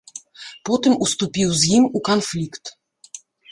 Потым уступіў з ім у канфлікт.